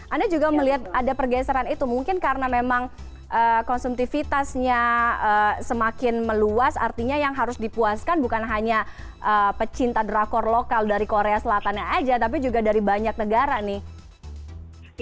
anda juga melihat ada pergeseran itu mungkin karena memang konsumtifitasnya semakin meluas artinya yang harus dipuaskan bukan hanya pecinta drakor lokal dari korea selatannya aja tapi juga dari banyak negara nih